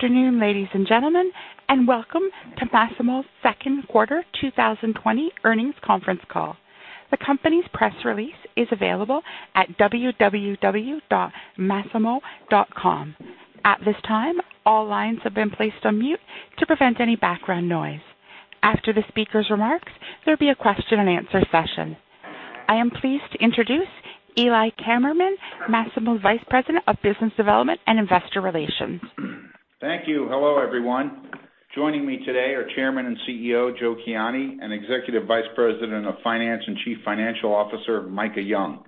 Afternoon, ladies and gentlemen, welcome to Masimo's second quarter 2020 earnings conference call. The company's press release is available at www.masimo.com. At this time, all lines have been placed on mute to prevent any background noise. After the speaker's remarks, there'll be a question and answer session. I am pleased to introduce Eli Kammerman, Masimo Vice President of Business Development and Investor Relations. Thank you. Hello, everyone. Joining me today are Chairman and CEO, Joe Kiani, and Executive Vice President of Finance and Chief Financial Officer, Micah Young.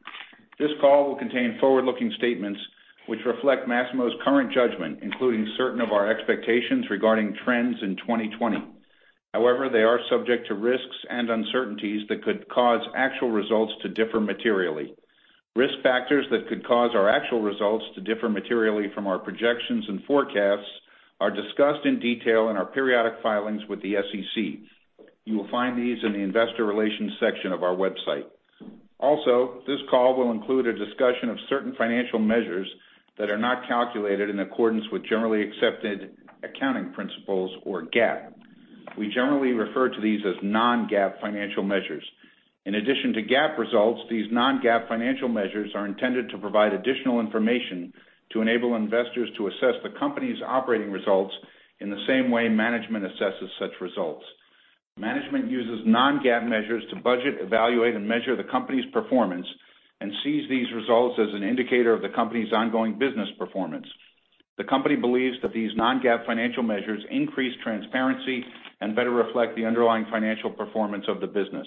This call will contain forward-looking statements which reflect Masimo's current judgment, including certain of our expectations regarding trends in 2020. However, they are subject to risks and uncertainties that could cause actual results to differ materially. Risk factors that could cause our actual results to differ materially from our projections and forecasts are discussed in detail in our periodic filings with the SEC. You will find these in the investor relations section of our website. Also, this call will include a discussion of certain financial measures that are not calculated in accordance with generally accepted accounting principles or GAAP. We generally refer to these as non-GAAP financial measures. In addition to GAAP results, these non-GAAP financial measures are intended to provide additional information to enable investors to assess the company's operating results in the same way management assesses such results. Management uses non-GAAP measures to budget, evaluate, and measure the company's performance and sees these results as an indicator of the company's ongoing business performance. The company believes that these non-GAAP financial measures increase transparency and better reflect the underlying financial performance of the business.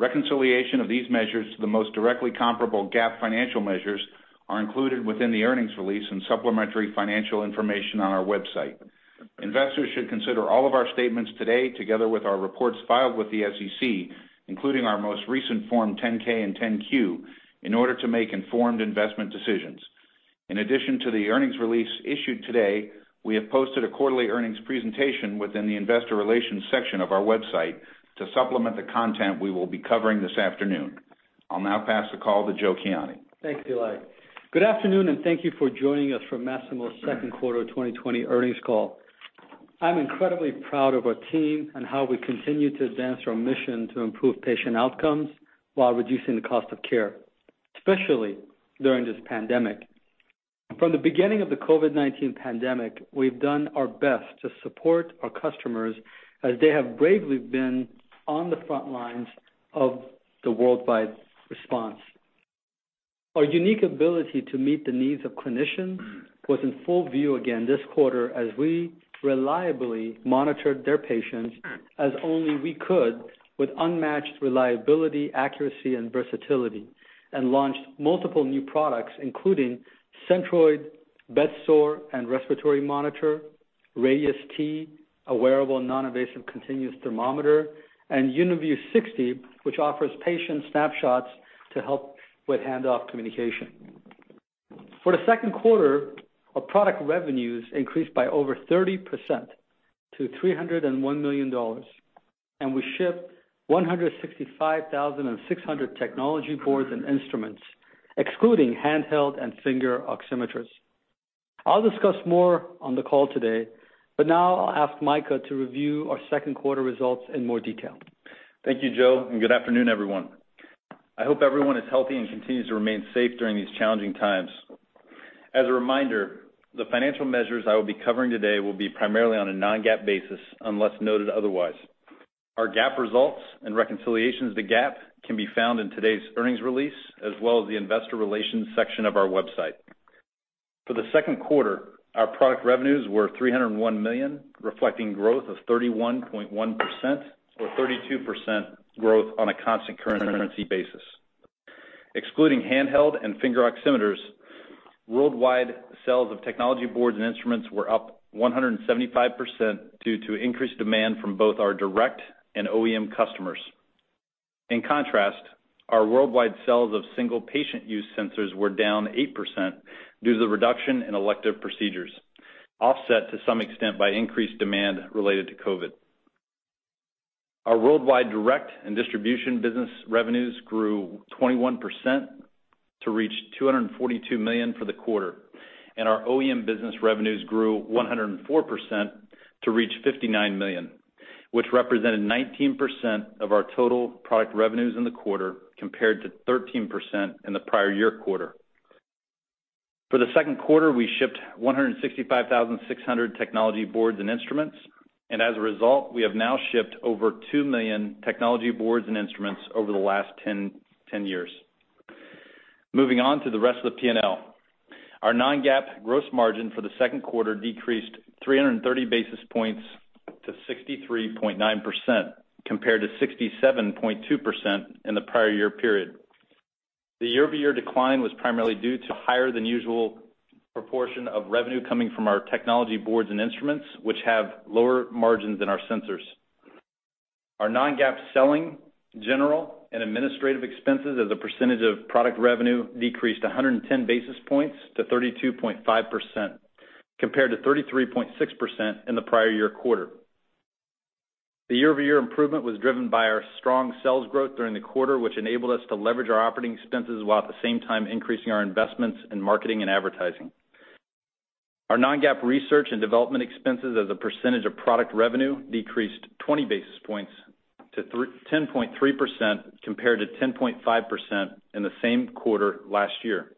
Reconciliation of these measures to the most directly comparable GAAP financial measures are included within the earnings release and supplementary financial information on our website. Investors should consider all of our statements today, together with our reports filed with the SEC, including our most recent Form 10-K and 10-Q, in order to make informed investment decisions. In addition to the earnings release issued today, we have posted a quarterly earnings presentation within the investor relations section of our website to supplement the content we will be covering this afternoon. I'll now pass the call to Joe Kiani. Thanks, Eli. Good afternoon, and thank you for joining us for Masimo's second quarter 2020 earnings call. I'm incredibly proud of our team and how we continue to advance our mission to improve patient outcomes while reducing the cost of care, especially during this pandemic. From the beginning of the COVID-19 pandemic, we've done our best to support our customers as they have bravely been on the front lines of the worldwide response. Our unique ability to meet the needs of clinicians was in full view again this quarter as we reliably monitored their patients as only we could with unmatched reliability, accuracy, and versatility, and launched multiple new products, including Centroid bedsore and respiratory monitor, Radius T°, a wearable, non-invasive continuous thermometer, and UniView: 60, which offers patient snapshots to help with handoff communication. For the second quarter, our product revenues increased by over 30% to $301 million. We shipped 165,600 technology boards and instruments, excluding handheld and finger oximeters. I'll discuss more on the call today, but now I'll ask Micah to review our second quarter results in more detail. Thank you, Joe. Good afternoon, everyone. I hope everyone is healthy and continues to remain safe during these challenging times. As a reminder, the financial measures I will be covering today will be primarily on a non-GAAP basis unless noted otherwise. Our GAAP results and reconciliations to GAAP can be found in today's earnings release, as well as the investor relations section of our website. For the second quarter, our product revenues were $301 million, reflecting growth of 31.1% or 32% growth on a constant currency basis. Excluding handheld and finger oximeters, worldwide sales of technology boards and instruments were up 175% due to increased demand from both our direct and OEM customers. In contrast, our worldwide sales of single patient use sensors were down 8% due to the reduction in elective procedures, offset to some extent by increased demand related to COVID. Our worldwide direct and distribution business revenues grew 21% to reach $242 million for the quarter, and our OEM business revenues grew 104% to reach $59 million, which represented 19% of our total product revenues in the quarter, compared to 13% in the prior year quarter. For the second quarter, we shipped 165,600 technology boards and instruments, and as a result, we have now shipped over 2 million technology boards and instruments over the last 10 years. Moving on to the rest of the P&L. Our non-GAAP gross margin for the second quarter decreased 330 basis points to 63.9%, compared to 67.2% in the prior year period. The year-over-year decline was primarily due to higher than usual proportion of revenue coming from our technology boards and instruments, which have lower margins than our sensors. Our non-GAAP selling, general, and administrative expenses as a percentage of product revenue decreased 110 basis points to 32.5%, compared to 33.6% in the prior year quarter. The year-over-year improvement was driven by our strong sales growth during the quarter, which enabled us to leverage our operating expenses while at the same time increasing our investments in marketing and advertising. Our non-GAAP research and development expenses as a percentage of product revenue decreased 20 basis points to 10.3% compared to 10.5% in the same quarter last year.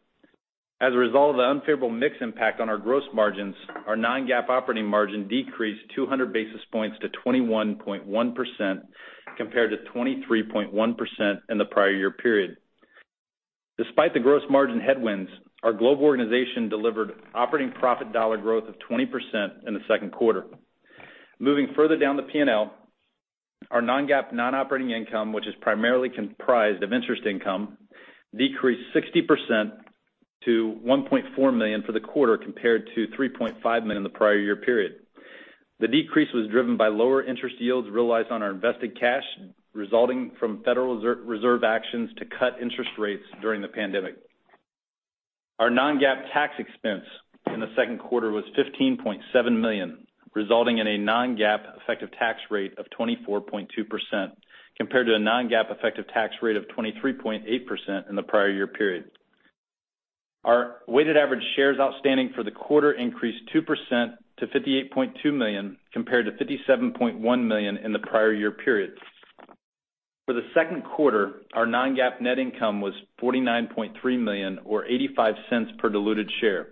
As a result of the unfavorable mix impact on our gross margins, our non-GAAP operating margin decreased 200 basis points to 21.1% compared to 23.1% in the prior year period. Despite the gross margin headwinds, our global organization delivered operating profit dollar growth of 20% in the second quarter. Moving further down the P&L, our non-GAAP non-operating income, which is primarily comprised of interest income, decreased 60% to $1.4 million for the quarter compared to $3.5 million in the prior year period. The decrease was driven by lower interest yields realized on our invested cash, resulting from Federal Reserve actions to cut interest rates during the pandemic. Our non-GAAP tax expense in the second quarter was $15.7 million, resulting in a non-GAAP effective tax rate of 24.2% compared to a non-GAAP effective tax rate of 23.8% in the prior year period. Our weighted average shares outstanding for the quarter increased 2% to 58.2 million, compared to 57.1 million in the prior year period. For the second quarter, our non-GAAP net income was $49.3 million or $0.85 per diluted share.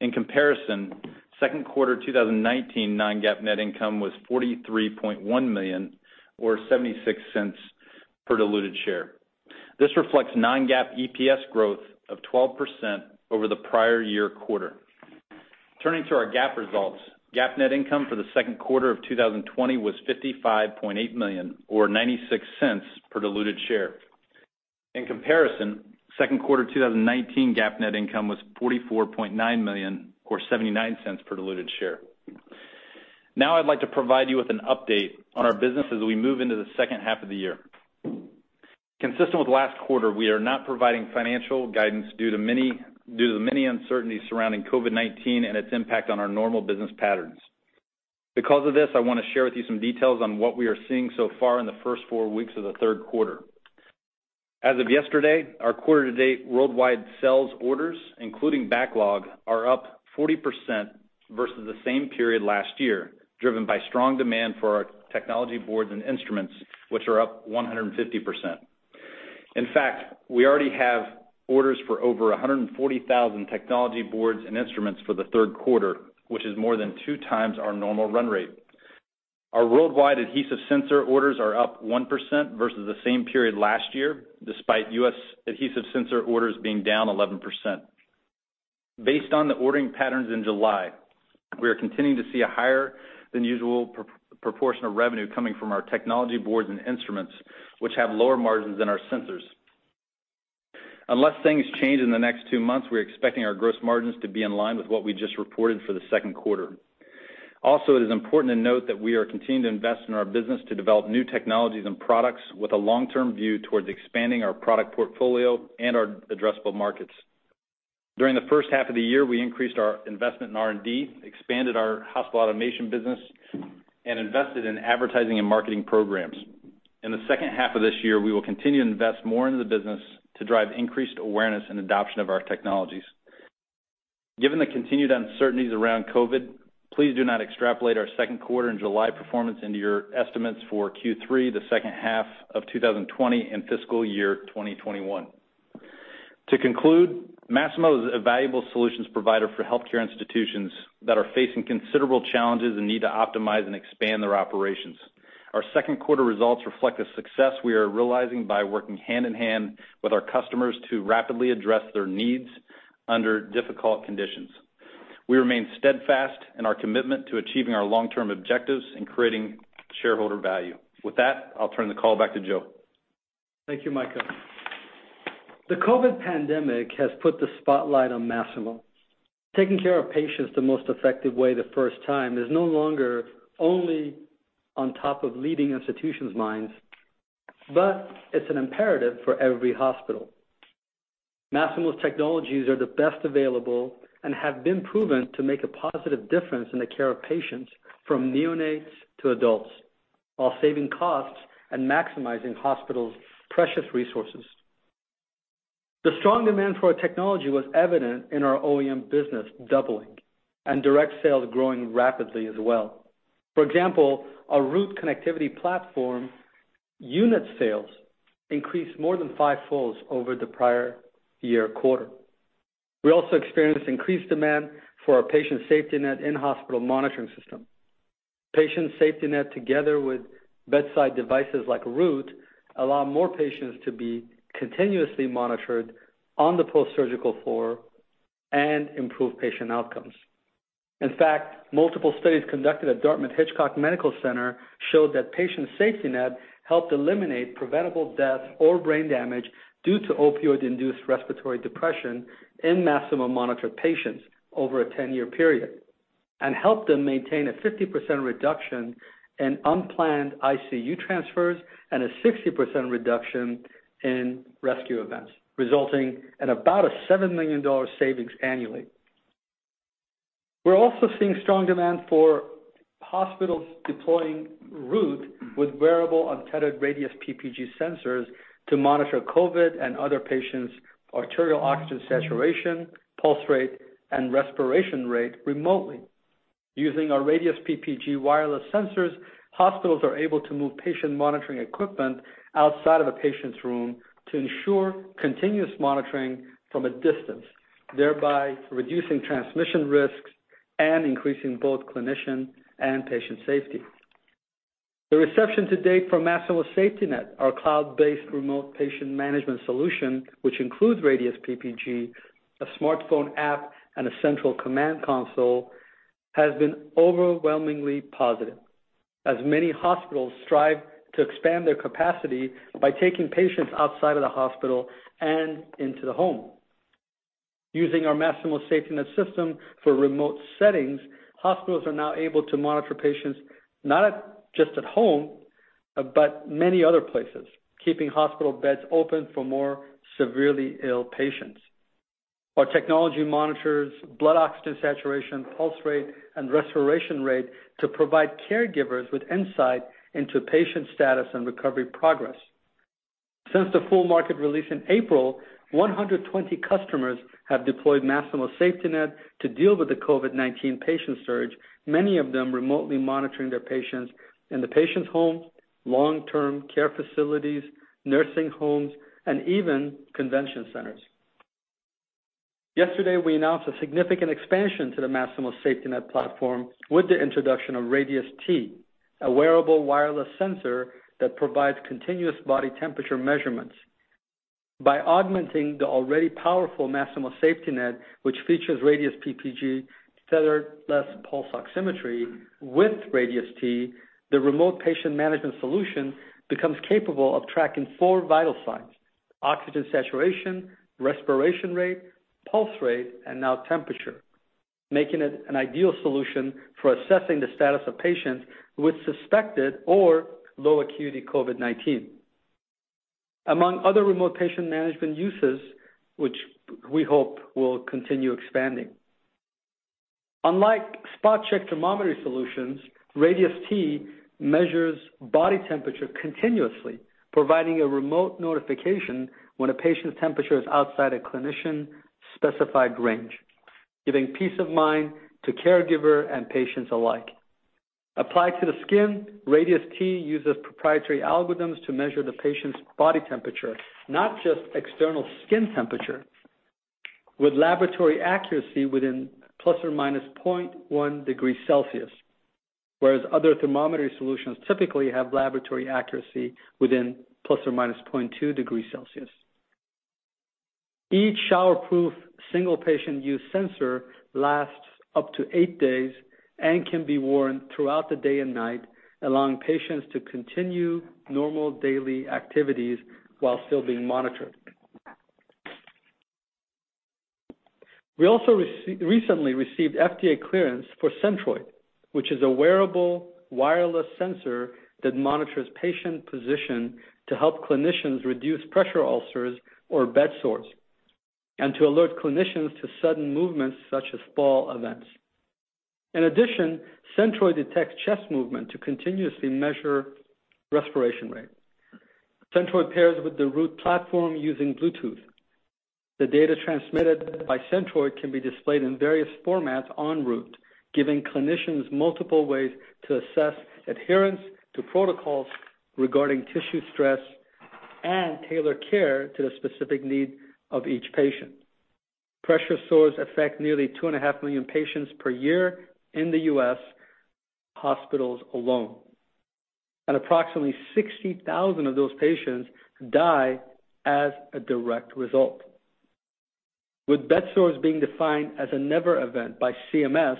In comparison, second quarter 2019 non-GAAP net income was $43.1 million or $0.76 per diluted share. This reflects non-GAAP EPS growth of 12% over the prior year quarter. Turning to our GAAP results, GAAP net income for the second quarter of 2020 was $55.8 million or $0.96 per diluted share. In comparison, second quarter 2019 GAAP net income was $44.9 million or $0.79 per diluted share. I'd like to provide you with an update on our business as we move into the second half of the year. Consistent with last quarter, we are not providing financial guidance due to the many uncertainties surrounding COVID-19 and its impact on our normal business patterns. I want to share with you some details on what we are seeing so far in the first four weeks of the third quarter. As of yesterday, our quarter to date worldwide sales orders, including backlog, are up 40% versus the same period last year, driven by strong demand for our technology boards and instruments, which are up 150%. In fact, we already have orders for over 140,000 technology boards and instruments for the third quarter, which is more than two times our normal run rate. Our worldwide adhesive sensor orders are up 1% versus the same period last year, despite U.S. adhesive sensor orders being down 11%. Based on the ordering patterns in July, we are continuing to see a higher than usual proportion of revenue coming from our technology boards and instruments, which have lower margins than our sensors. Unless things change in the next two months, we're expecting our gross margins to be in line with what we just reported for the second quarter. Also, it is important to note that we are continuing to invest in our business to develop new technologies and products with a long-term view towards expanding our product portfolio and our addressable markets. During the first half of the year, we increased our investment in R&D, expanded our hospital automation business, and invested in advertising and marketing programs. In the second half of this year, we will continue to invest more into the business to drive increased awareness and adoption of our technologies. Given the continued uncertainties around COVID-19, please do not extrapolate our second quarter and July performance into your estimates for Q3, the second half of 2020, and fiscal year 2021. To conclude, Masimo is a valuable solutions provider for healthcare institutions that are facing considerable challenges and need to optimize and expand their operations. Our second quarter results reflect the success we are realizing by working hand in hand with our customers to rapidly address their needs under difficult conditions. We remain steadfast in our commitment to achieving our long-term objectives and creating shareholder value. With that, I'll turn the call back to Joe. Thank you, Micah. The COVID pandemic has put the spotlight on Masimo. Taking care of patients the most effective way the first time is no longer only on top of leading institutions' minds, but it's an imperative for every hospital. Masimo's technologies are the best available and have been proven to make a positive difference in the care of patients, from neonates to adults, while saving costs and maximizing hospitals' precious resources. The strong demand for our technology was evident in our OEM business doubling and direct sales growing rapidly as well. For example, our Root connectivity platform unit sales increased more than fivefold over the prior year quarter. We also experienced increased demand for our Patient SafetyNet in-hospital monitoring system. Patient SafetyNet, together with bedside devices like Root, allow more patients to be continuously monitored on the post-surgical floor and improve patient outcomes. In fact, multiple studies conducted at Dartmouth-Hitchcock Medical Center showed that Patient SafetyNet helped eliminate preventable death or brain damage due to opioid-induced respiratory depression in Masimo monitored patients over a 10-year period and helped them maintain a 50% reduction in unplanned ICU transfers and a 60% reduction in rescue events, resulting in about a $7 million savings annually. We're also seeing strong demand for hospitals deploying Root with wearable, untethered Radius PPG sensors to monitor COVID and other patients' arterial oxygen saturation, pulse rate, and respiration rate remotely. Using our Radius PPG wireless sensors, hospitals are able to move patient monitoring equipment outside of a patient's room to ensure continuous monitoring from a distance, thereby reducing transmission risks and increasing both clinician and patient safety. The reception to date for Masimo SafetyNet, our cloud-based remote patient management solution, which includes Radius PPG, a smartphone app, and a central command console, has been overwhelmingly positive, as many hospitals strive to expand their capacity by taking patients outside of the hospital and into the home. Using our Masimo SafetyNet system for remote settings, hospitals are now able to monitor patients not just at home, but many other places, keeping hospital beds open for more severely ill patients. Our technology monitors blood oxygen saturation, pulse rate, and respiration rate to provide caregivers with insight into patient status and recovery progress. Since the full market release in April, 120 customers have deployed Masimo SafetyNet to deal with the COVID-19 patient surge, many of them remotely monitoring their patients in the patient's home, long-term care facilities, nursing homes, and even convention centers. Yesterday, we announced a significant expansion to the Masimo SafetyNet platform with the introduction of Radius T°, a wearable wireless sensor that provides continuous body temperature measurements. By augmenting the already powerful Masimo SafetyNet, which features Radius PPG tetherless pulse oximetry with Radius T°, the remote patient management solution becomes capable of tracking four vital signs, oxygen saturation, respiration rate, pulse rate, and now temperature, making it an ideal solution for assessing the status of patients with suspected or low acuity COVID-19, among other remote patient management uses, which we hope will continue expanding. Unlike spot-check thermometry solutions, Radius T° measures body temperature continuously, providing a remote notification when a patient's temperature is outside a clinician-specified range, giving peace of mind to caregiver and patients alike. Applied to the skin, Radius T° uses proprietary algorithms to measure the patient's body temperature, not just external skin temperature, with laboratory accuracy within ±0.1 degrees Celsius, whereas other thermometry solutions typically have laboratory accuracy within ±0.2 degrees Celsius. Each shower-proof single-patient use sensor lasts up to eight days and can be worn throughout the day and night, allowing patients to continue normal daily activities while still being monitored. We also recently received FDA clearance for Centroid, which is a wearable wireless sensor that monitors patient position to help clinicians reduce pressure ulcers or bed sores, and to alert clinicians to sudden movements such as fall events. In addition, Centroid detects chest movement to continuously measure respiration rate. Centroid pairs with the Root platform using Bluetooth. The data transmitted by Centroid can be displayed in various formats en route, giving clinicians multiple ways to assess adherence to protocols regarding tissue stress and tailor care to the specific need of each patient. Pressure sores affect nearly 2.5 million patients per year in the U.S. hospitals alone, and approximately 60,000 of those patients die as a direct result. With bed sores being defined as a never event by CMS,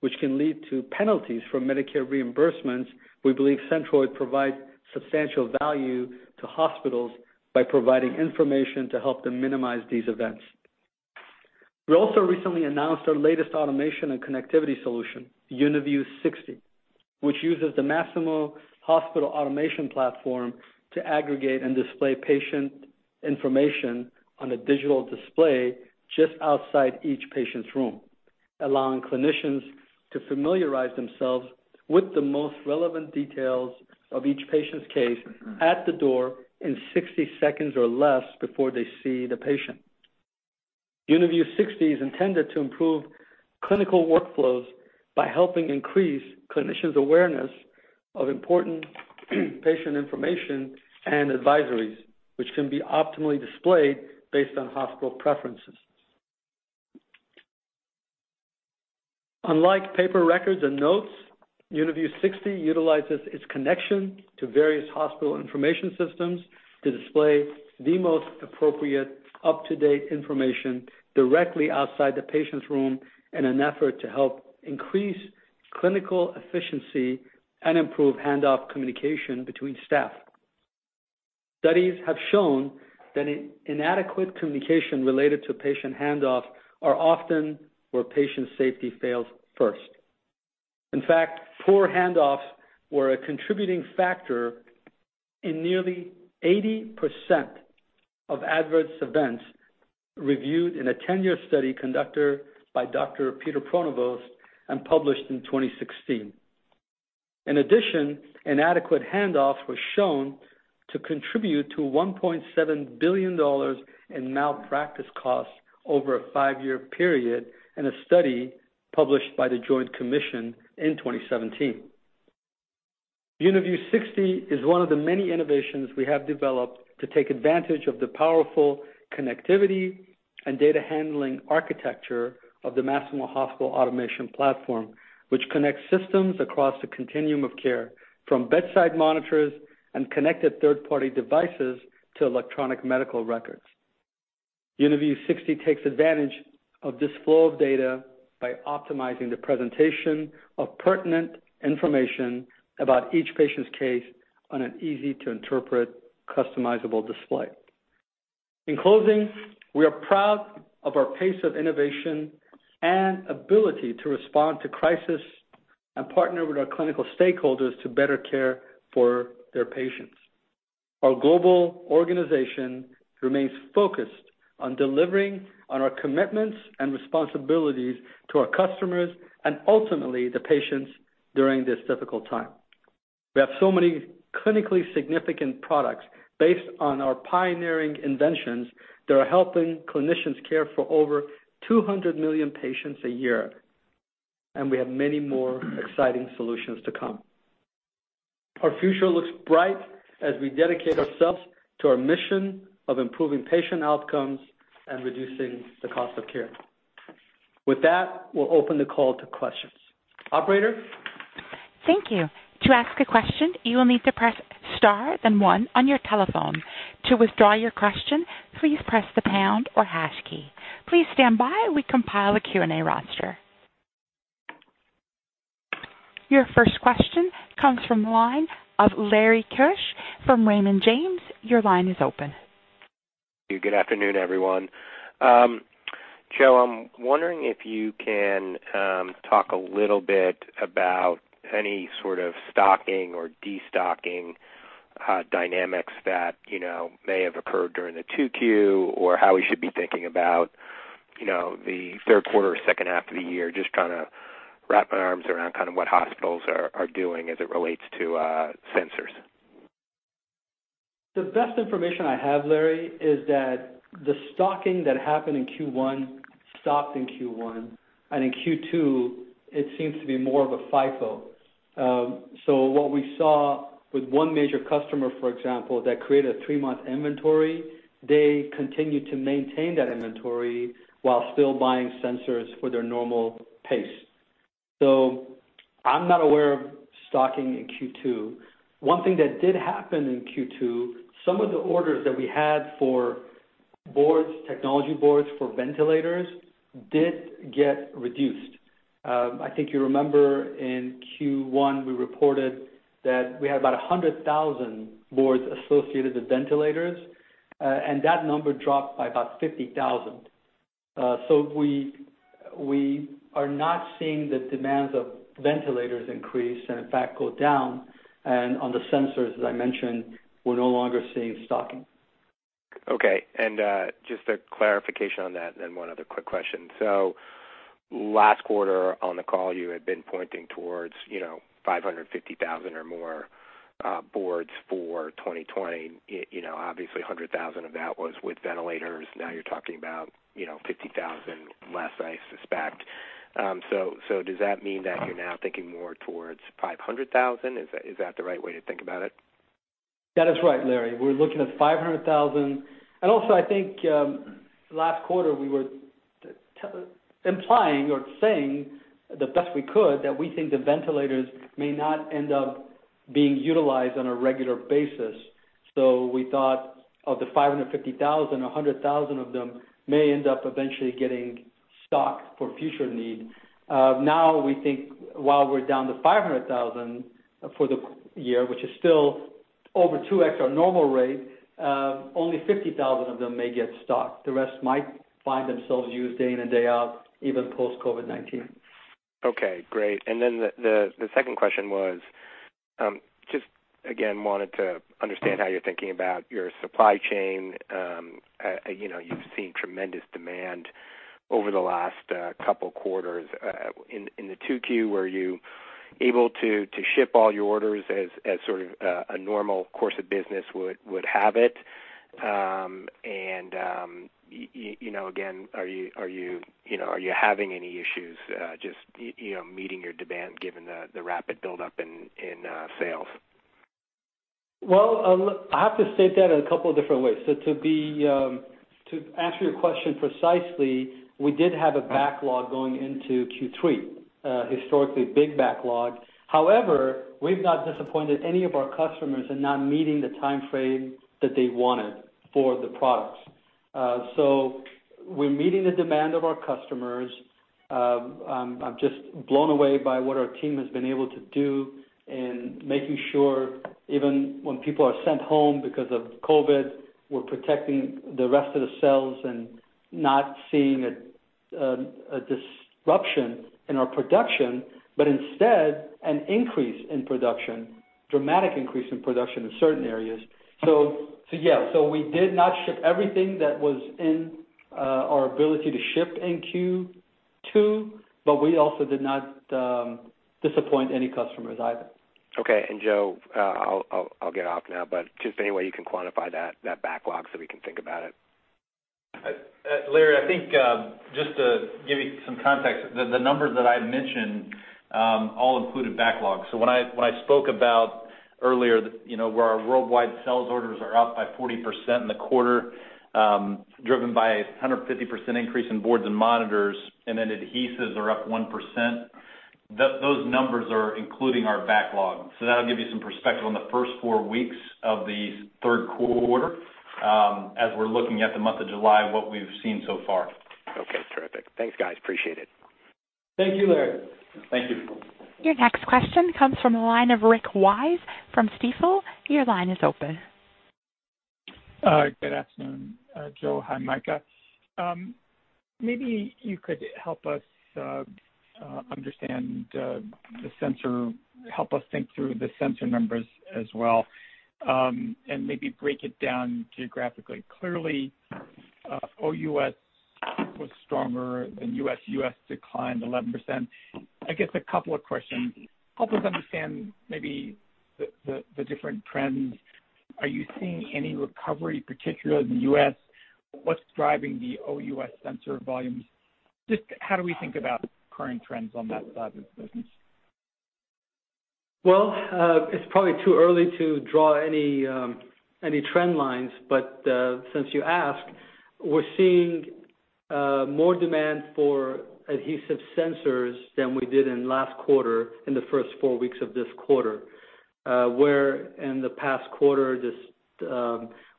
which can lead to penalties for Medicare reimbursements, we believe Centroid provides substantial value to hospitals by providing information to help them minimize these events. We also recently announced our latest automation and connectivity solution, UniView 60, which uses the Masimo Hospital Automation platform to aggregate and display patient information on a digital display just outside each patient's room, allowing clinicians to familiarize themselves with the most relevant details of each patient's case at the door in 60 seconds or less before they see the patient. UniView 60 is intended to improve clinical workflows by helping increase clinicians' awareness of important patient information and advisories, which can be optimally displayed based on hospital preferences. Unlike paper records and notes, UniView 60 utilizes its connection to various hospital information systems to display the most appropriate up-to-date information directly outside the patient's room in an effort to help increase clinical efficiency and improve handoff communication between staff. Studies have shown that inadequate communication related to patient handoff are often where patient safety fails first. In fact, poor handoffs were a contributing factor in nearly 80% of adverse events reviewed in a 10-year study conducted by Dr. Peter Pronovost and published in 2016. In addition, inadequate handoffs were shown to contribute to $1.7 billion in malpractice costs over a five-year period in a study published by the Joint Commission in 2017. UniView: 60 is one of the many innovations we have developed to take advantage of the powerful connectivity and data-handling architecture of the Masimo Hospital Automation platform, which connects systems across the continuum of care, from bedside monitors and connected third-party devices to electronic medical records. UniView: 60 takes advantage of this flow of data by optimizing the presentation of pertinent information about each patient's case on an easy-to-interpret, customizable display. In closing, we are proud of our pace of innovation and ability to respond to crisis and partner with our clinical stakeholders to better care for their patients. Our global organization remains focused on delivering on our commitments and responsibilities to our customers and ultimately the patients during this difficult time. We have so many clinically significant products based on our pioneering inventions that are helping clinicians care for over 200 million patients a year. We have many more exciting solutions to come. Our future looks bright as we dedicate ourselves to our mission of improving patient outcomes and reducing the cost of care. With that, we'll open the call to questions. Operator? Thank you. To ask a question, you will need to press star, then one on your telephone. To withdraw your question, please press the pound or hash key. Please stand by while we compile a Q&A roster. Your first question comes from the line of Larry Keusch from Raymond James. Your line is open. Good afternoon, everyone. Joe, I'm wondering if you can talk a little bit about any sort of stocking or de-stocking dynamics that may have occurred during the 2Q or how we should be thinking about the third quarter or second half of the year. Just trying to wrap my arms around kind of what hospitals are doing as it relates to sensors. The best information I have, Larry, is that the stocking that happened in Q1 stopped in Q1, and in Q2, it seems to be more of a FIFO. What we saw with one major customer, for example, that created a three month inventory, they continued to maintain that inventory while still buying sensors for their normal pace. I'm not aware of stocking in Q2. One thing that did happen in Q2, some of the orders that we had for technology boards for ventilators did get reduced. I think you remember in Q1, we reported that we had about 100,000 boards associated with ventilators, and that number dropped by about 50,000. We are not seeing the demands of ventilators increase, and in fact, go down. On the sensors, as I mentioned, we're no longer seeing stocking. Okay. Just a clarification on that and then one other quick question. Last quarter on the call, you had been pointing towards 550,000 or more boards for 2020. Obviously, 100,000 of that was with ventilators. Now you're talking about 50,000 less, I suspect. Does that mean that you're now thinking more towards 500,000? Is that the right way to think about it? That is right, Larry. We're looking at 500,000. Also, I think, last quarter, we were implying or saying the best we could, that we think the ventilators may not end up being utilized on a regular basis. We thought of the 550,000, 100,000 of them may end up eventually getting stocked for future need. Now we think while we're down to 500,000 for the year, which is still over 2x our normal rate, only 50,000 of them may get stocked. The rest might find themselves used day in and day out, even post-COVID-19. Okay. Great. The second question was, just again, wanted to understand how you're thinking about your supply chain. You've seen tremendous demand over the last couple quarters. In the 2Q, were you able to ship all your orders as sort of a normal course of business would have it? Again, are you having any issues just meeting your demand given the rapid build-up in sales? Well, I have to state that in a couple of different ways. To answer your question precisely, we did have a backlog going into Q3, historically big backlog. However, we've not disappointed any of our customers in not meeting the time frame that they wanted for the products. We're meeting the demand of our customers. I'm just blown away by what our team has been able to do in making sure, even when people are sent home because of COVID, we're protecting the rest of the cells and not seeing a disruption in our production, but instead an increase in production. Dramatic increase in production in certain areas. We did not ship everything that was in our ability to ship in Q2, but we also did not disappoint any customers either. Okay. Joe, I'll get off now, but just any way you can quantify that backlog so we can think about it. Larry, I think just to give you some context, the numbers that I had mentioned all included backlog. When I spoke about earlier where our worldwide sales orders are up by 40% in the quarter, driven by 150% increase in boards and monitors, and then adhesives are up 1%, those numbers are including our backlog. That'll give you some perspective on the first four weeks of the third quarter, as we're looking at the month of July and what we've seen so far. Okay, terrific. Thanks, guys. Appreciate it. Thank you, Larry. Thank you. Your next question comes from the line of Rick Wise from Stifel. Your line is open. Good afternoon, Joe. Hi, Micah. Maybe you could help us think through the sensor numbers as well, and maybe break it down geographically. Clearly, OUS was stronger, and U.S. declined 11%. I guess a couple of questions. Help us understand maybe the different trends. Are you seeing any recovery, particularly in the U.S.? What's driving the OUS sensor volumes? Just how do we think about current trends on that side of the business? Well, it's probably too early to draw any trend lines, but since you asked, we're seeing more demand for adhesive sensors than we did in last quarter, in the first four weeks of this quarter. Where in the past quarter,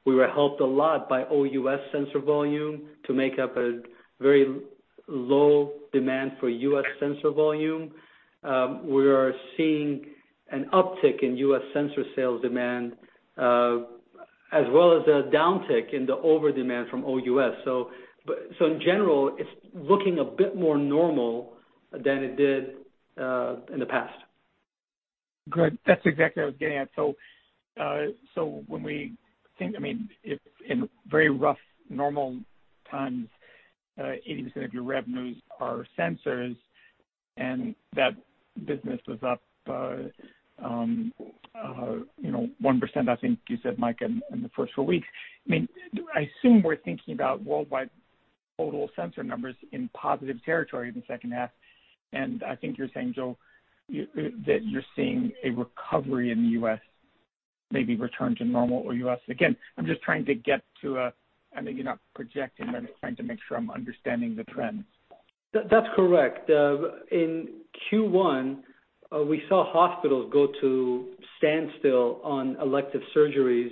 we were helped a lot by OUS sensor volume to make up a very low demand for U.S. sensor volume. We are seeing an uptick in U.S. sensor sales demand, as well as a downtick in the over-demand from OUS. In general, it's looking a bit more normal than it did in the past. Good. That's exactly what I was getting at. When we think, in very rough, normal times, 80% of your revenues are sensors, and that business was up 1%, I think you said, Micah, in the first four weeks. I assume we're thinking about worldwide total sensor numbers in positive territory in the second half, and I think you're saying, Joe, that you're seeing a recovery in the U.S., maybe return to normal OUS. Again, I know you're not projecting, but I'm trying to make sure I'm understanding the trends. That's correct. In Q1, we saw hospitals go to standstill on elective surgeries,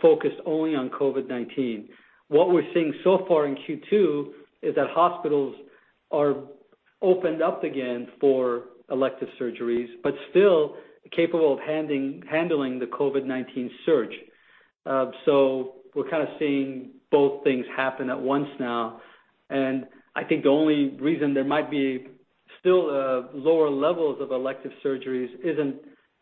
focused only on COVID-19. What we're seeing so far in Q2 is that hospitals are opened up again for elective surgeries, but still capable of handling the COVID-19 surge. We're kind of seeing both things happen at once now, and I think the only reason there might be still lower levels of elective surgeries isn't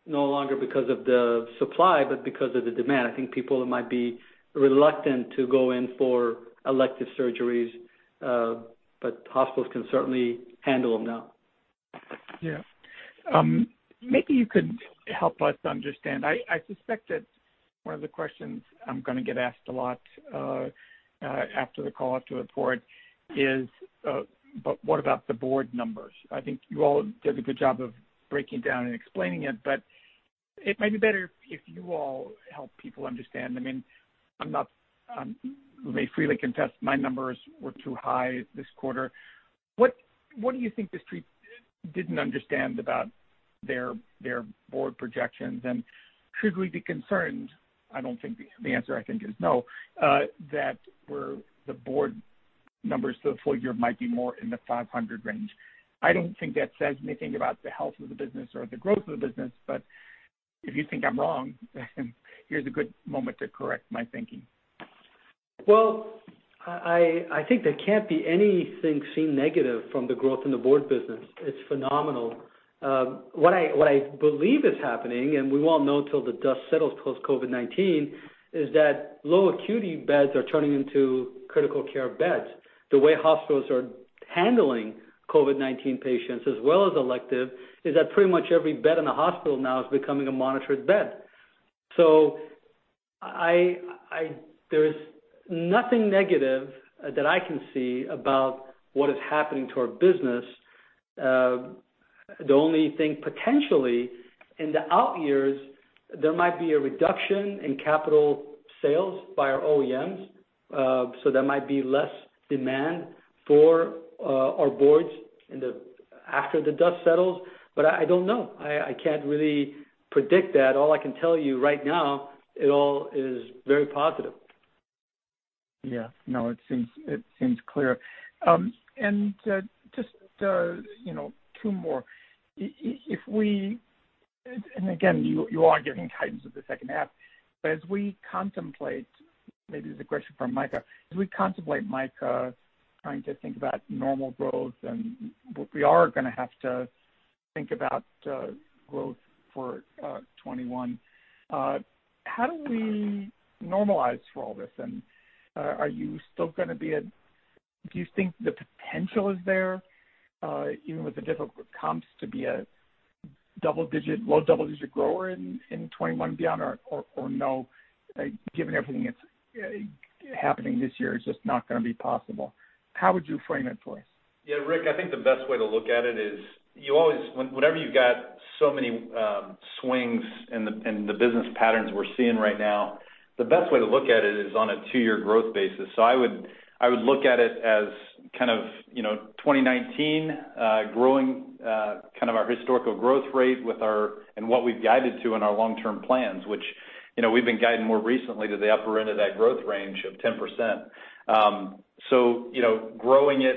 no longer because of the supply, but because of the demand. I think people might be reluctant to go in for elective surgeries, but hospitals can certainly handle them now. Yeah. Maybe you could help us understand. I suspect that one of the questions I'm going to get asked a lot after the call, after the report is, what about the Board numbers? I think you all did a good job of breaking down and explaining it. It may be better if you all help people understand. I may freely contest my numbers were too high this quarter. What do you think the Street didn't understand about their Board projections, and should we be concerned? I don't think the answer, I think, is no, that the Board numbers for the full year might be more in the $500 range. I don't think that says anything about the health of the business or the growth of the business. If you think I'm wrong, here's a good moment to correct my thinking. I think there can't be anything seen negative from the growth in the board business. It's phenomenal. What I believe is happening, and we won't know till the dust settles post-COVID-19, is that low acuity beds are turning into critical care beds. The way hospitals are handling COVID-19 patients as well as elective is that pretty much every bed in the hospital now is becoming a monitored bed. There's nothing negative that I can see about what is happening to our business. The only thing potentially in the out years, there might be a reduction in capital sales by our OEMs, so there might be less demand for our boards after the dust settles. I don't know. I can't really predict that. All I can tell you right now, it all is very positive. Yeah. No, it seems clear. Just two more. Again, you are giving guidance of the second half, but as we contemplate. Maybe this is a question for Micah. As we contemplate, Micah, trying to think about normal growth and what we are going to have to think about growth for 2021, how do we normalize for all this? Do you think the potential is there, even with the difficult comps, to be a low double-digit grower in 2021 and beyond? No, given everything that's happening this year, it's just not going to be possible. How would you frame it for us? Yeah, Rick, I think the best way to look at it is whenever you've got so many swings in the business patterns we're seeing right now, the best way to look at it is on a two-year growth basis. I would look at it as 2019 growing our historical growth rate and what we've guided to in our long-term plans, which we've been guiding more recently to the upper end of that growth range of 10%. Growing it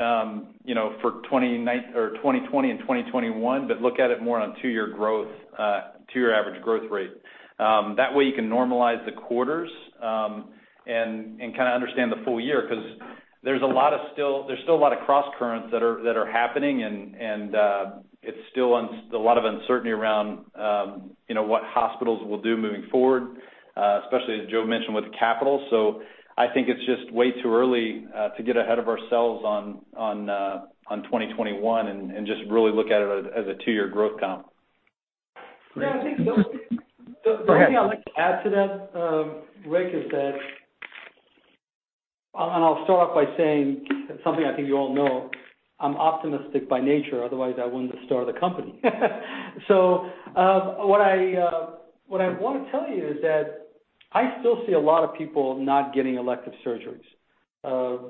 for 2020 and 2021, but look at it more on a two-year average growth rate. That way you can normalize the quarters and understand the full year, because there's still a lot of crosscurrents that are happening and there's still a lot of uncertainty around what hospitals will do moving forward, especially as Joe mentioned with capital. I think it's just way too early to get ahead of ourselves on 2021 and just really look at it as a two-year growth comp. Great. Yeah, I think. Go ahead. only thing I'd like to add to that, Rick, is that I'll start off by saying something I think you all know. I'm optimistic by nature, otherwise I wouldn't have started the company. What I want to tell you is that I still see a lot of people not getting elective surgeries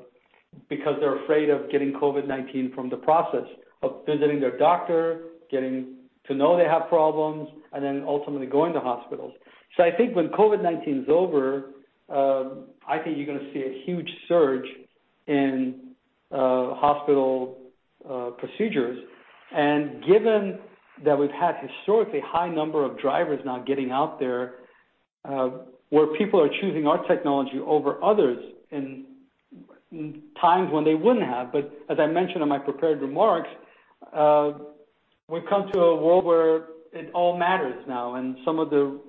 because they're afraid of getting COVID-19 from the process of visiting their doctor, getting to know they have problems, and then ultimately going to hospitals. I think when COVID-19's over, I think you're going to see a huge surge in hospital procedures. Given that we've had historically high number of drivers now getting out there, where people are choosing our technology over others in times when they wouldn't have, but as I mentioned in my prepared remarks, we've come to a world where it all matters now, and some of the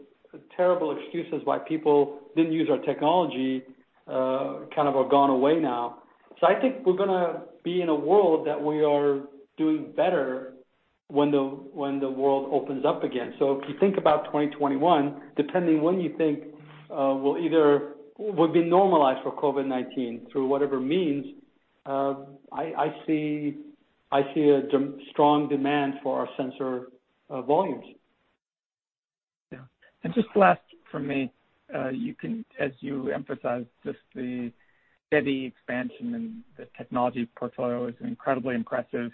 terrible excuses why people didn't use our technology have gone away now. I think we're going to be in a world that we are doing better when the world opens up again. If you think about 2021, depending when you think we'll be normalized for COVID-19 through whatever means, I see a strong demand for our sensor volumes. Yeah. Just last from me, as you emphasized, just the steady expansion and the technology portfolio is incredibly impressive.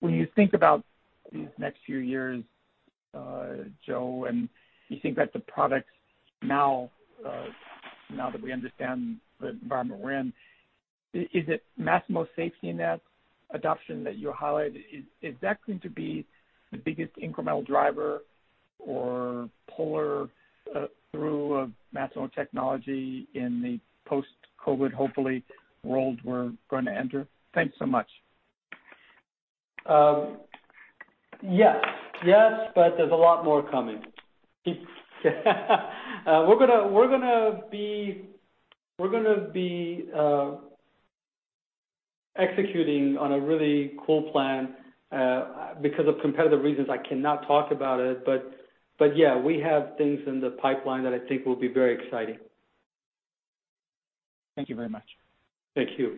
When you think about these next few years, Joe, and you think about the products now that we understand the environment we're in, is it Masimo SafetyNet adoption that you highlighted? Is that going to be the biggest incremental driver or puller through of Masimo technology in the post-COVID-19, hopefully, world we're going to enter? Thanks so much. Yes. Yes, there's a lot more coming. We're going to be executing on a really cool plan. Because of competitive reasons, I cannot talk about it, yeah, we have things in the pipeline that I think will be very exciting. Thank you very much. Thank you.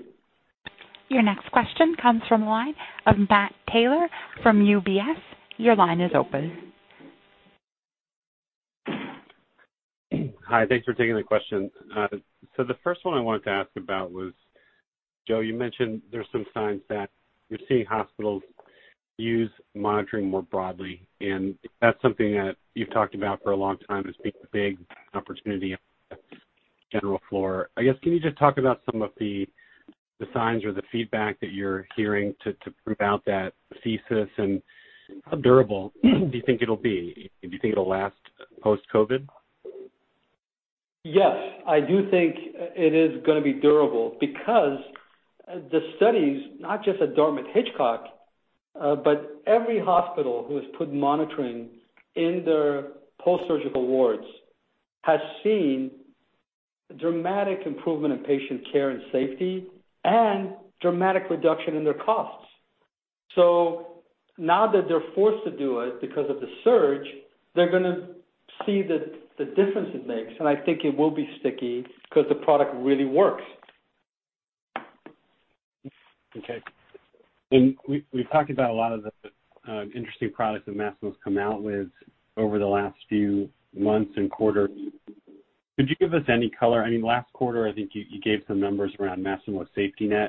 Your next question comes from the line of Matt Taylor from UBS. Your line is open. Hi, thanks for taking the question. The first one I wanted to ask about was, Joe, you mentioned there's some signs that you're seeing hospitals use monitoring more broadly, and that's something that you've talked about for a long time as being a big opportunity on the general floor. I guess, can you just talk about some of the signs or the feedback that you're hearing to prove out that thesis, and how durable do you think it'll be? Do you think it'll last post-COVID? Yes. I do think it is going to be durable because the studies, not just at Dartmouth-Hitchcock, but every hospital who has put monitoring in their post-surgical wards has seen dramatic improvement in patient care and safety and dramatic reduction in their costs. Now that they're forced to do it because of the surge, they're going to see the difference it makes, and I think it will be sticky because the product really works. Okay. We've talked about a lot of the interesting products that Masimo's come out with over the last few months and quarters. Could you give us any color? Last quarter, I think you gave some numbers around Masimo SafetyNet.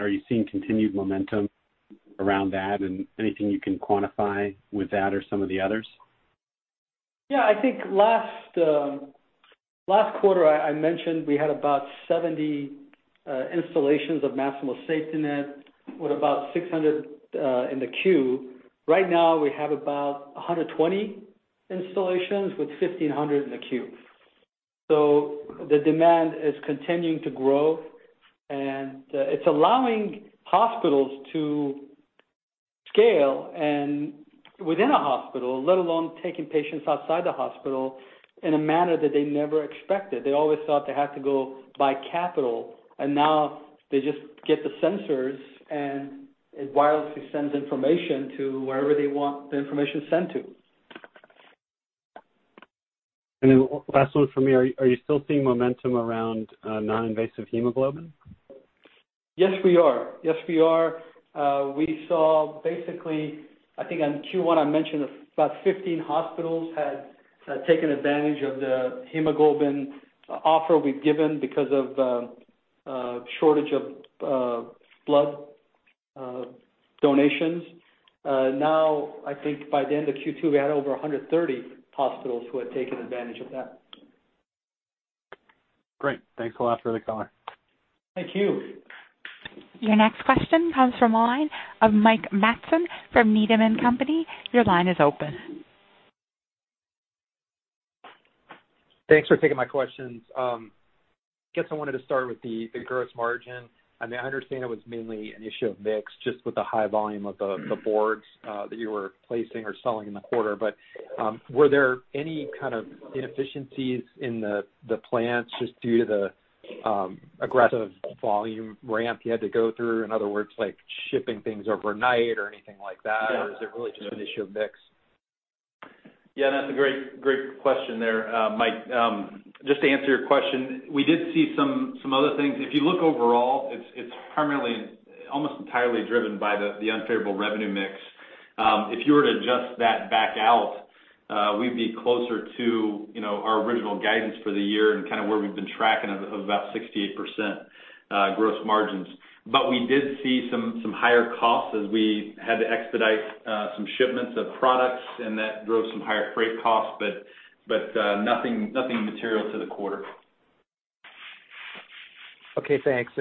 Are you seeing continued momentum around that, and anything you can quantify with that or some of the others? I think last quarter, I mentioned we had about 70 installations of Masimo SafetyNet with about 600 in the queue. Right now we have about 120 installations with 1,500 in the queue. The demand is continuing to grow, and it's allowing hospitals to scale and within a hospital, let alone taking patients outside the hospital in a manner that they never expected. They always thought they had to go buy capital, now they just get the sensors and it wirelessly sends information to wherever they want the information sent to. Last one from me, are you still seeing momentum around non-invasive hemoglobin? Yes, we are. We saw basically, I think on Q1 I mentioned about 15 hospitals had taken advantage of the hemoglobin offer we've given because of shortage of blood donations. I think by the end of Q2, we had over 130 hospitals who had taken advantage of that. Great. Thanks a lot for the color. Thank you. Your next question comes from the line of Mike Matson from Needham & Company. Your line is open. Thanks for taking my questions. Guess I wanted to start with the gross margin. I mean, I understand it was mainly an issue of mix just with the high volume of the boards that you were placing or selling in the quarter, but were there any kind of inefficiencies in the plants just due to the aggressive volume ramp you had to go through? In other words, like shipping things overnight or anything like that? Or is it really just an issue of mix? Yeah, that's a great question there, Mike. Just to answer your question, we did see some other things. If you look overall, it's primarily almost entirely driven by the unfavorable revenue mix. If you were to adjust that back out, we'd be closer to our original guidance for the year and kind of where we've been tracking of about 68% gross margins. We did see some higher costs as we had to expedite some shipments of products, and that drove some higher freight costs, but nothing material to the quarter. Okay, thanks.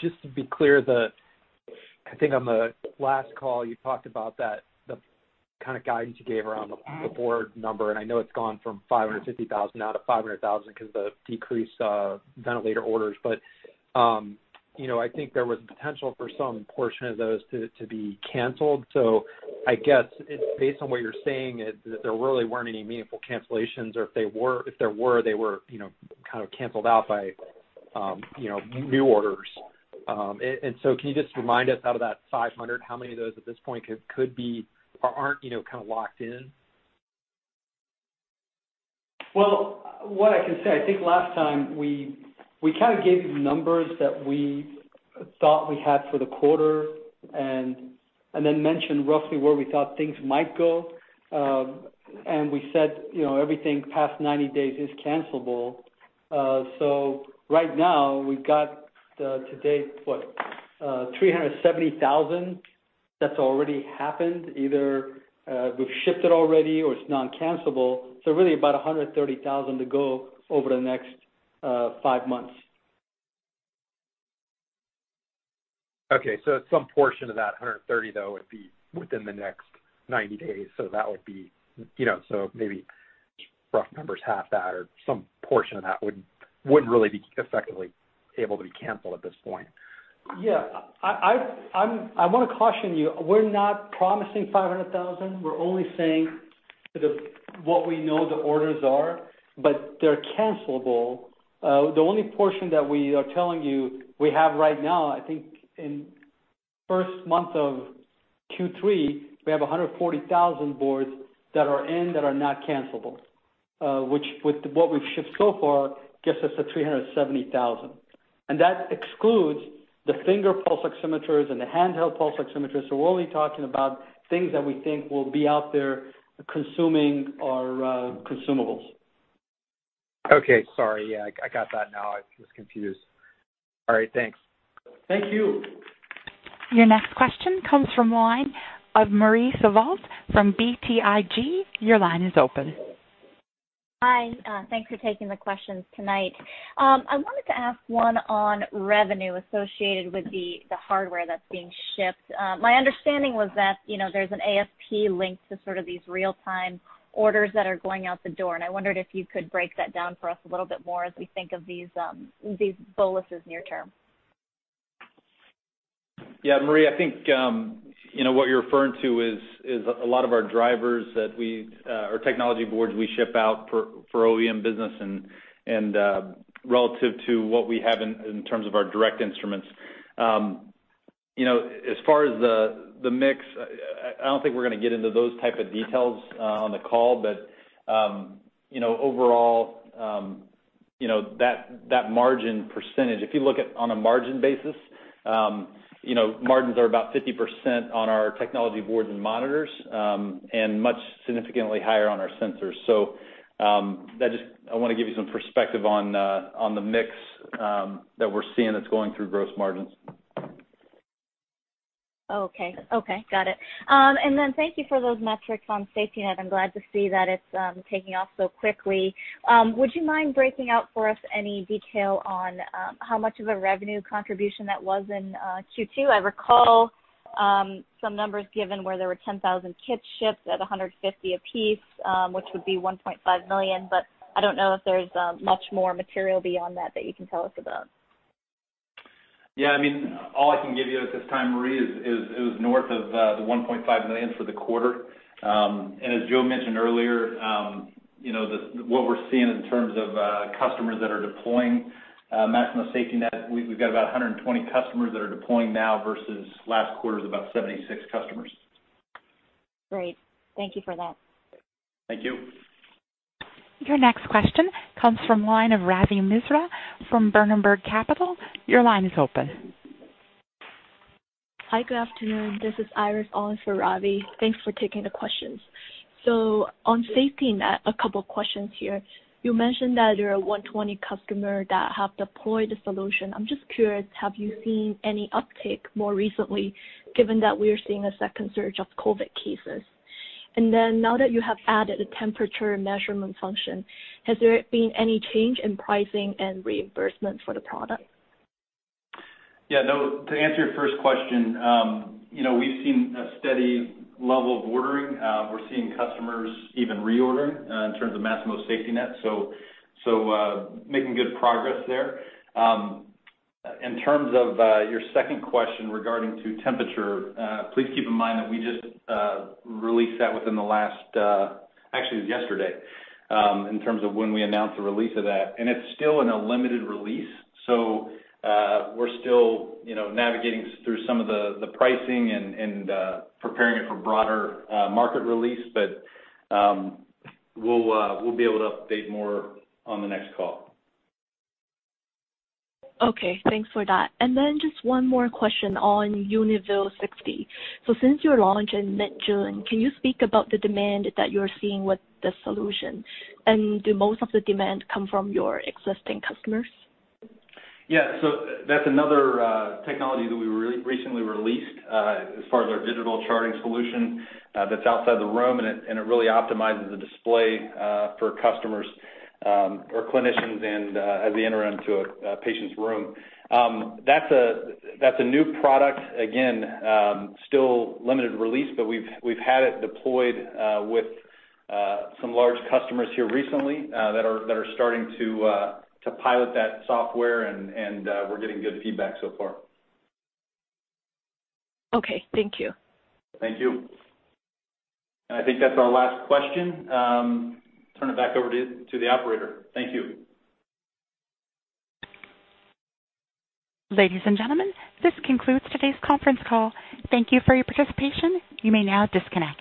Just to be clear, I think on the last call you talked about that, the kind of guidance you gave around the board number, and I know it's gone from 550,000 now to 500,000 because of the decreased ventilator orders. I think there was potential for some portion of those to be canceled. I guess based on what you're saying, there really weren't any meaningful cancellations, or if there were, they were kind of canceled out by new orders. Can you just remind us out of that 500, how many of those at this point could be or aren't kind of locked in? Well, what I can say, I think last time we kind of gave you the numbers that we thought we had for the quarter and then mentioned roughly where we thought things might go. We said everything past 90 days is cancelable. Right now we've got to date, what, 370,000 that's already happened, either we've shipped it already or it's non-cancelable. Really about 130,000 to go over the next five months. Okay, some portion of that 130 though would be within the next 90 days. Maybe rough numbers, half that or some portion of that wouldn't really be effectively able to be canceled at this point. Yeah. I want to caution you, we're not promising 500,000. We're only saying what we know the orders are, but they're cancelable. The only portion that we are telling you we have right now, I think in first month of Q3, we have 140,000 boards that are in that are not cancelable, which with what we've shipped so far, gets us to 370,000. That excludes the finger pulse oximeters and the handheld pulse oximeters. We're only talking about things that we think will be out there consuming our consumables. Okay, sorry. Yeah, I got that now. I was confused. All right, thanks. Thank you. Your next question comes from the line of Marie Thibault from BTIG. Your line is open. Hi. Thanks for taking the questions tonight. I wanted to ask one on revenue associated with the hardware that's being shipped. My understanding was that there's an ASP linked to sort of these real-time orders that are going out the door, and I wondered if you could break that down for us a little bit more as we think of these boluses near term. Yeah, Marie, I think what you're referring to is a lot of our drivers that we or technology boards we ship out for OEM business and relative to what we have in terms of our direct instruments. As far as the mix, I don't think we're going to get into those type of details on the call. Overall, that margin percentage, if you look at on a margin basis, margins are about 50% on our technology boards and monitors, and much significantly higher on our sensors. I want to give you some perspective on the mix that we're seeing that's going through gross margins. Okay. Got it. Thank you for those metrics on SafetyNet. I'm glad to see that it's taking off so quickly. Would you mind breaking out for us any detail on how much of a revenue contribution that was in Q2? I recall some numbers given where there were 10,000 kits shipped at 150 a piece, which would be $1.5 million. I don't know if there's much more material beyond that you can tell us about. Yeah, all I can give you at this time, Marie, is it was north of $1.5 million for the quarter. As Joe mentioned earlier, what we're seeing in terms of customers that are deploying Masimo SafetyNet, we've got about 120 customers that are deploying now versus last quarter's about 76 customers. Great. Thank you for that. Thank you. Your next question comes from line of Ravi Misra from Berenberg Capital. Your line is open. Hi, good afternoon. This is Iris on for Ravi. Thanks for taking the questions. On SafetyNet, a couple questions here. You mentioned that there are 120 customer that have deployed the solution. I'm just curious, have you seen any uptick more recently, given that we are seeing a second surge of COVID-19 cases? Now that you have added a temperature measurement function, has there been any change in pricing and reimbursement for the product? Yeah, no, to answer your first question, we've seen a steady level of ordering. We're seeing customers even reordering in terms of Masimo SafetyNet, so making good progress there. In terms of your second question regarding to temperature, please keep in mind that we just released that within the last Actually, it was yesterday, in terms of when we announced the release of that, and it's still in a limited release. We're still navigating through some of the pricing and preparing it for broader market release. We'll be able to update more on the next call. Okay. Thanks for that. Just one more question on UniView: 60. Since your launch in mid-June, can you speak about the demand that you're seeing with the solution? Do most of the demand come from your existing customers? Yeah, that's another technology that we recently released, as far as our digital charting solution that's outside the room, and it really optimizes the display for customers or clinicians as they enter into a patient's room. That's a new product. Again, still limited release, but we've had it deployed with some large customers here recently, that are starting to pilot that software, and we're getting good feedback so far. Okay. Thank you. Thank you. I think that's our last question. Turn it back over to the operator. Thank you. Ladies and gentlemen, this concludes today's conference call. Thank you for your participation. You may now disconnect.